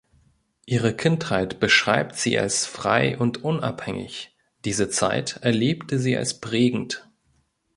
Ihre Kindheit beschreibt sie als frei und unabhängig, diese Zeit erlebte sie als prägend.